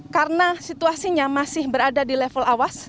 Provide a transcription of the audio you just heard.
karena situasinya masih berada di level awas